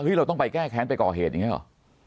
เราต้องไปแก้แค้นไปก่อเหตุอย่างนี้หรอ